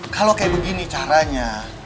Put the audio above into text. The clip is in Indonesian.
kalau kayak begini caranya